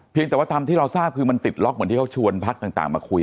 แต่ว่าตามที่เราทราบคือมันติดล็อกเหมือนที่เขาชวนพักต่างมาคุย